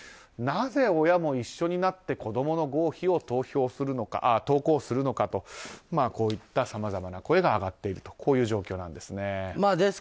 なぜ親も一緒になって子供の合否を投稿するのかとこういったさまざまな声が上がっているとこういう状況なんです。